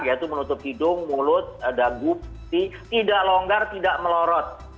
yaitu menutup hidung mulut dagu tidak longgar tidak melorot